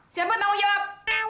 siapa yang tanggung jawab